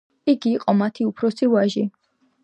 იგი იყო მათი უფროსი ვაჟი.